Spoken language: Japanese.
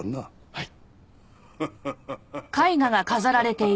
はい。